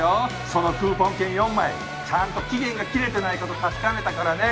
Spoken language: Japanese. そのクーポン券４枚ちゃんと期限が切れてない事確かめたからね。